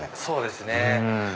そうですね。